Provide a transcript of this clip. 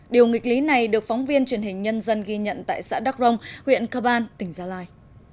điều nghịch lý này được phóng viên truyền hình nhân dân ghi nhận tại xã đắk rông huyện cơ bang tỉnh gia lai